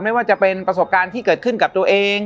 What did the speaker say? ไม่ว่าจะเป็นประสบการณ์ที่เกิดขึ้นกับตัวเอง